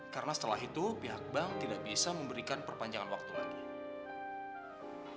karena setelah itu pihak bank tidak bisa memberikan perpanjangan waktu lagi